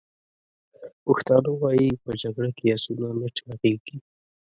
پښتانه وایي: « په جګړه کې اسونه نه چاغیږي!»